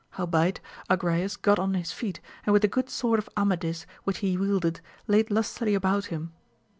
Howbeit, Agrayes got on his feet, and with the good sword of Amadis, which he wielded, laid lustily about him.